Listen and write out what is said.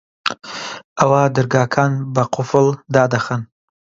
ئەوا دەرگاکان بە قوفڵ دادەخەن